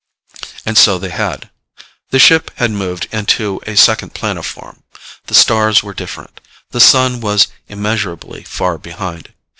_ And so they had. The ship had moved to a second planoform. The stars were different. The Sun was immeasurably far behind.